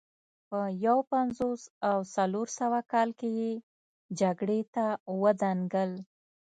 په یو پنځوس او څلور سوه کال کې یې جګړې ته ودانګل